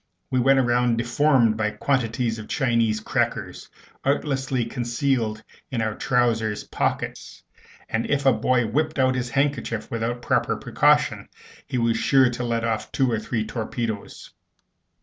We went round deformed by quantities of Chinese crackers artlessly concealed in our trousers pockets; and if a boy whipped out his handkerchief without proper precaution, he was sure to let off two or three torpedoes.